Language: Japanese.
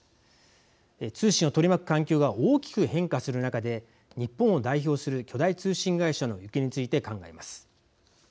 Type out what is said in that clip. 通信を取り巻く環境が大きく変化する中で日本を代表する巨大通信会社の行方について考えます。